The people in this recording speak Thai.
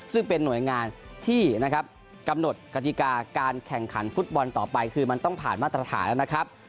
ซึ่งเป็นหน่วยงานที่นะครับกำหนดกติกาการแข่งขันฟุตบอลต่อไปคือมันต้องผ่านมาตรฐานแล้วนะครับ